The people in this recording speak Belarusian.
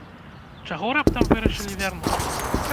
Чаго раптам вырашылі вярнуцца?